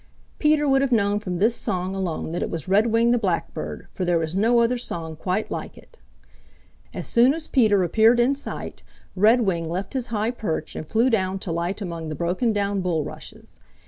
Peter would have known from this song alone that it was Redwing the Blackbird, for there is no other song quite like it. As soon as Peter appeared in sight Redwing left his high perch and flew down to light among the broken down bulrushes.